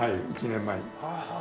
１年前に。